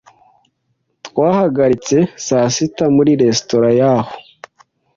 Twahagaritse saa sita muri resitora yaho.